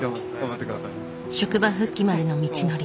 職場復帰までの道のり。